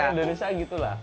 orang indonesia gitulah